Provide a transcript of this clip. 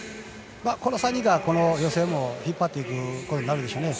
この３人がこの予選を引っ張っていくことになるでしょうね。